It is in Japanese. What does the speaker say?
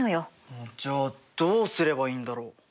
うんじゃあどうすればいいんだろう？